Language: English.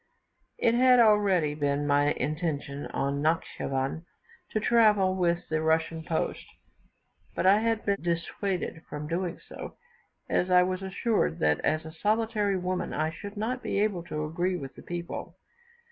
It had already been my intention in Natschivan to travel with the Russian post; but I had been dissuaded from doing so, as I was assured that, as a solitary woman, I should not be able to agree with the people.